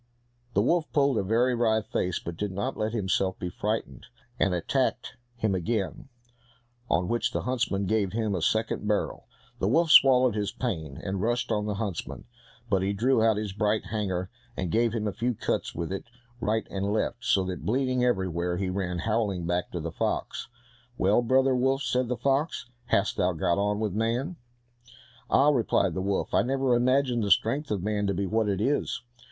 The wolf pulled a very wry face, but did not let himself be frightened, and attacked him again, on which the huntsman gave him the second barrel. The wolf swallowed his pain, and rushed on the huntsman, but he drew out his bright hanger, and gave him a few cuts with it right and left, so that, bleeding everywhere, he ran howling back to the fox. "Well, brother wolf," said the fox, "how hast thou got on with man?" "Ah!" replied the wolf, "I never imagined the strength of man to be what it is!